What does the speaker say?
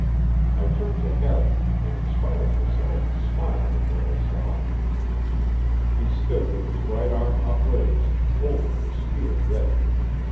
I turned to Harry, and in spite of myself smiled at what I saw. He stood with his right arm upraised, holding his spear ready.